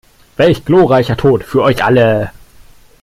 Welch glorreicher Tod für euch alle!